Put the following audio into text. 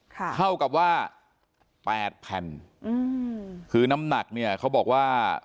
เท่ากับว่าแปดแผ่นอืมคือน้ำหนักเนี่ยเขาบอกว่า